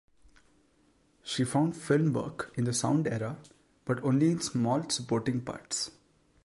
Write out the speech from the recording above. She found film work in the sound era, but only in small supporting parts.